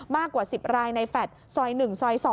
มากกว่า๑๐รายในแฟลต์ซอย๑ซอย๒